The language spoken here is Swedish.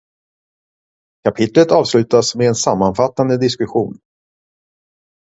Kapitlet avslutas med en sammanfattande diskussion.